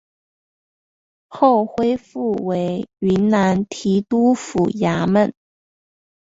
后恢复为云南提督府衙门。